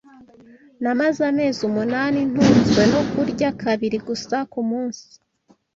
Namaze amezi umunani ntunzwe no kurya kabiri gusa ku munsi.